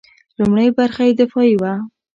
لومړۍ برخه یې دفاعي وه.